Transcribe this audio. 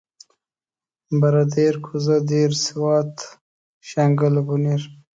بره دير کوزه دير سوات شانګله بونير